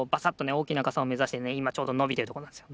おおきなかさをめざしてねいまちょうどのびてるとこなんですよ